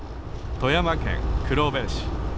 富山県黒部市。